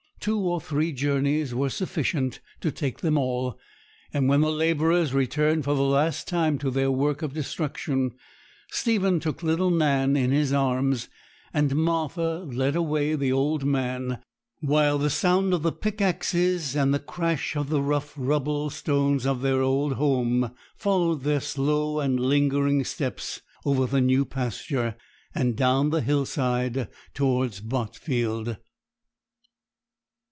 Two or three journeys were sufficient to take them all; and when the labourers returned for the last time to their work of destruction, Stephen took little Nan in his arms, and Martha led away the old man; while the sound of the pickaxes and the crash of the rough rubble stones of their old home followed their slow and lingering steps over the new pasture, and down the hillside towards Botfield.